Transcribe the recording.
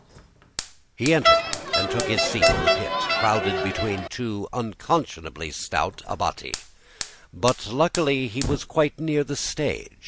"He entered and took a seat in the pit, crowded between two unconscionably stout abbati; but luckily he was quite near the stage.